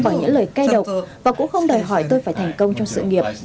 cô ấy sẽ lời cay độc và cũng không đòi hỏi tôi phải thành công trong sự nghiệp